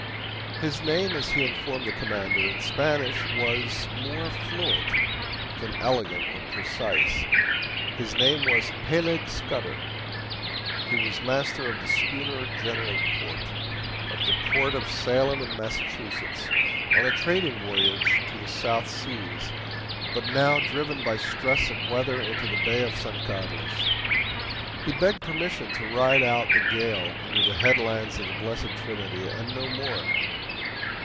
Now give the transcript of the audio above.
His name, as he informed the Commander, in Spanish that was more fluent than elegant or precise his name was Peleg Scudder. He was master of the schooner GENERAL COURT, of the port of Salem in Massachusetts, on a trading voyage to the South Seas, but now driven by stress of weather into the bay of San Carlos. He begged permission to ride out the gale under the headlands of the blessed Trinity, and no more.